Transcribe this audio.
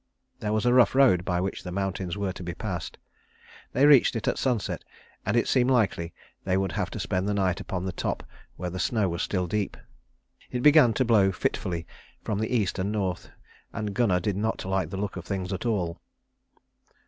There was a rough road by which the mountains were to be passed. They reached it at sunset, and it seemed likely they would have to spend the night upon the top where the snow was still deep. It began to blow fitfully from the east and north, and Gunnar did not like the look of things at all.